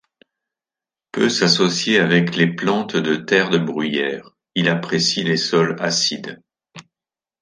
Peut s'associer avec les plantes de terre de bruyère, il apprécie les sols acides.